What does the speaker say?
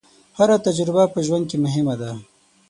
هره تجربه په ژوند کې مهمه ده.